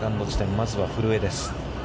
まずは、古江です。